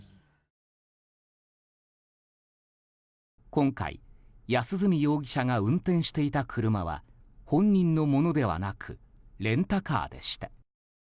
今回、安栖容疑者が運転していた車は本人のものではなくレンタカーでした。